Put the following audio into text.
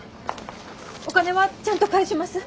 お金はちゃんと返します。